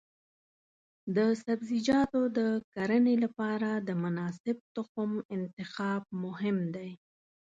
د سبزیجاتو د کرنې لپاره د مناسب تخم انتخاب مهم دی.